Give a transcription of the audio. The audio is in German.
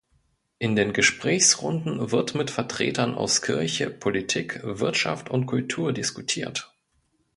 In den Gesprächsrunden wird mit Vertretern aus Kirche, Politik, Wirtschaft und Kultur diskutiert.